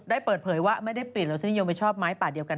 ได้เปิดเผยว่าไม่ได้ปิดแล้วสินิยมไปชอบไม้ป่าเดียวกัน